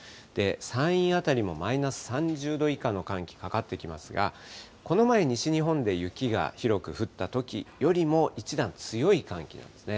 山陰辺りもマイナス３０度以下の寒気、かかってきますが、この前、西日本で雪が広く降ったときよりも、一段強い寒気なんですね。